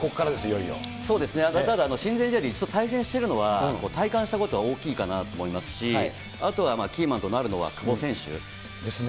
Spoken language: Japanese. そうですね、ただ、親善試合で一度対戦してるのは、体感したことは大きいかなと思いますし、あとはキーマンとなるのは久保選手。ですね。